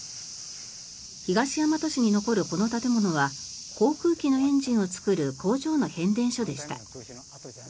東大和市に残るこの建物は航空機のエンジンを作る工場の変電所でした。